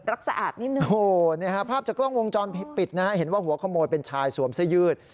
ภาพจากกลางวงจรปิดนะฮะเห็นว่าหัวขโมยเป็นชายสวมซะยืด